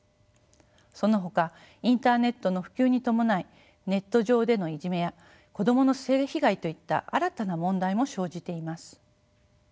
そのほかインターネットの普及に伴いネット上でのいじめや子どもの性被害といった新たな問題も生じています。